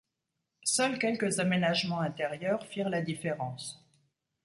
Seuls quelques aménagements intérieurs firent la différence.